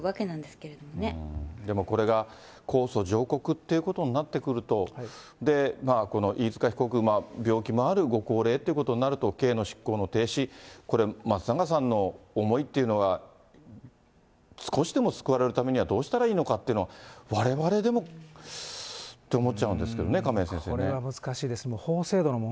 けれでもこれが控訴上告ということになってくると、この飯塚被告、病気もある、ご高齢ということもあると、刑の執行の停止、これ、松永さんの思いというのが、少しでも救われるためにはどうしたらいいのかっていうのは、われわれでもって思っちゃうんですけれどもね、亀井先生ね。